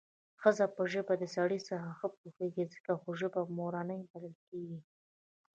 ښځه په ژبه د سړي څخه ښه پوهېږي څکه خو ژبه مورنۍ بلل کېږي